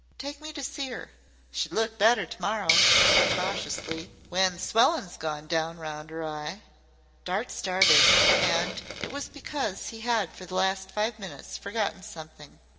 "Take me to see her." "She'd look better to morrow," cautiously, "when the swellin's gone down round 'er eye." Dart started and it was because he had for the last five minutes forgotten something.